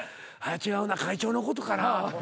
違うな会長のことかな。